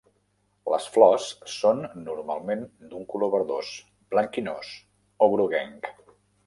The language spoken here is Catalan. Les flors són normalment d'un color verdós, blanquinós o groguenc.